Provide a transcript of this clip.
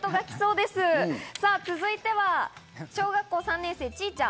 さぁ続いては小学校３年生、ちーちゃん。